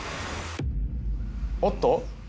おっと。